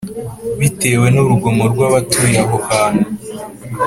bitewe n urugomo rwabatuye aho hantu